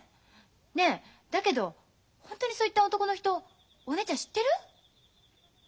ねえだけど本当にそう言った男の人お姉ちゃん知ってる？